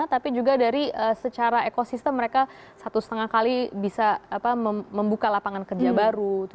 tapi juga dari secara ekosistem mereka satu setengah kali bisa membuka lapangan kerja baru